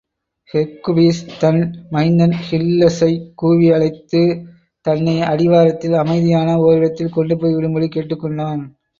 ஹெர்க்குவிஸ், தன் மைந்தன் ஹில்லஸைக் கூவி அழைத்து, தன்னை அடிவாரத்தில் அமைதியான ஓரிடத்தில் கொண்டுபோய் விடும்படி கேட்டுக்கொண்டான்.